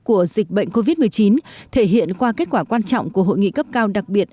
của dịch bệnh covid một mươi chín thể hiện qua kết quả quan trọng của hội nghị cấp cao đặc biệt